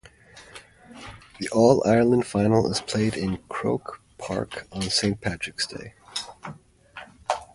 The All-Ireland Final is played in Croke Park on Saint Patrick's Day.